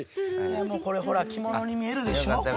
これほら着物に見えるでしょこれ。